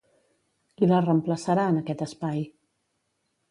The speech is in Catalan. Qui la reemplaçarà en aquest espai?